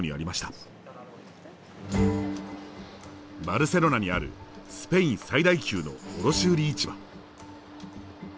バルセロナにあるスペイン最大級の卸売市場。